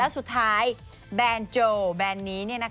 แล้วสุดท้ายแบรนด์โจว์แบรนด์นี้เนี่ยนะคะ